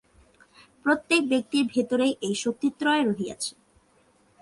প্রত্যেক ব্যক্তির ভিতরেই এই শক্তিত্রয় রহিয়াছে।